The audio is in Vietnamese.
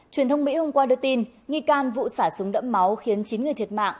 truyền thông mỹ hôm qua đưa tin nghi can vụ xả súng đẫm máu khiến chín người thiệt mạng